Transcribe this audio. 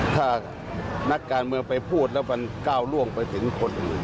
ถ้านักการเมืองไปพูดแล้วมันก้าวล่วงไปถึงคนอื่น